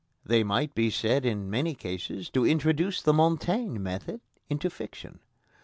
They might be said in many cases to introduce the Montaigne method into fiction.